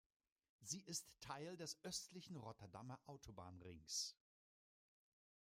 Sie ist Teil des östlichen Rotterdamer Autobahnrings.